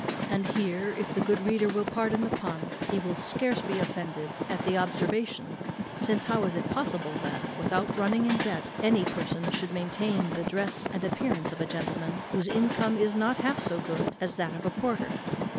And here, if the good reader will pardon the pun, he will scarce be offended at the observation; since, how is it possible that, without running in debt, any person should maintain the dress and appearance of a gentleman whose income is not half so good as that of a porter?